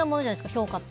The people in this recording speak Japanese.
評価って。